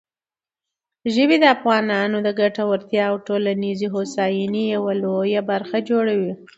ژبې د افغانانو د ګټورتیا او ټولنیزې هوساینې یوه لویه برخه جوړوي.